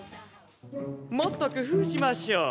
もっと工夫しましょう。